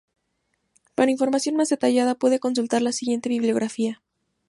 Para información más detallada puede consultar la siguiente bibliografía.